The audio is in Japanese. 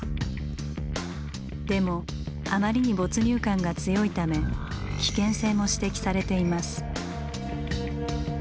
でもあまりに没入感が強いため危険性も指摘されています。